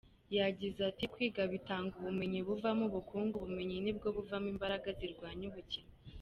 Yagize ati "Kwiga bitanga ubumenyi buvamo ubukungu, ubumenyi nibwo buvamo imbaraga zirwanya ubukene.